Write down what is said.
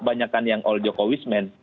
banyak yang all jokowismen